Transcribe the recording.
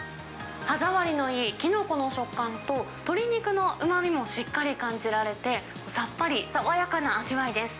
歯触りのいいきのこの食感と、鶏肉のうまみもしっかり感じられて、さっぱり、爽やかな味わいです。